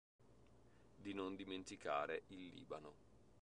Di non dimenticare il Libano